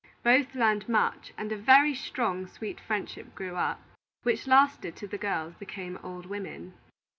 Both learned much, and a very strong, sweet friendship grew up, which lasted till the young girls became old women.